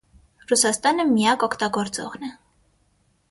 Ռուսաստանը միակ օգտագործողն է։